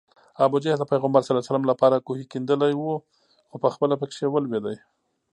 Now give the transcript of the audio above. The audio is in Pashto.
ابوجهل د پیغمبر ص لپاره کوهی کیندلی و خو پخپله پکې ولوېد